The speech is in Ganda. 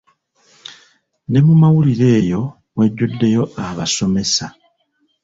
Ne mu mawulire eyo wajjuddeyo basomesa.